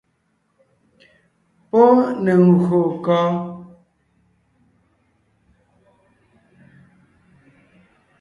Pɔ́ ne ngÿô kɔ́?